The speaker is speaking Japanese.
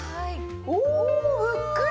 おふっくら！